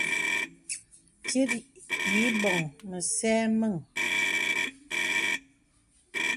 Tit yə îbɔ̀ŋ mə̄zɛ̄ mēn.